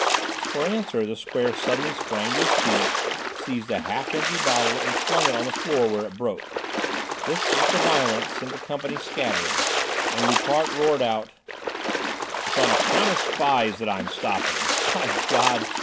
For answer, the Square suddenly sprang to his feet, seized a half empty bottle and flung it on the floor, where it broke. This act of violence sent the company scattering, and Loupart roared out: "It's on account of spies that I'm stopping! By God!